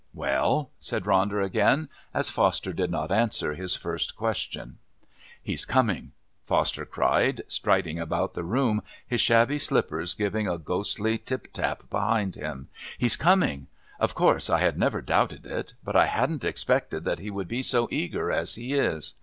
"Well?" said Ronder again, as Foster did not answer his first question. "He's coming," Foster cried, striding about the room, his shabby slippers giving a ghostly tip tap behind him. "He's coming! Of course I had never doubted it, but I hadn't expected that he would be so eager as he is.